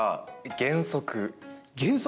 原則。